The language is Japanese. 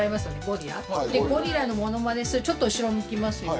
でゴリラのものまねするちょっと後ろ向きますよ。